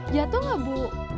jatuh nggak bu